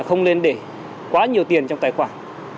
không nên để quá nhiều tiền trong tài khoản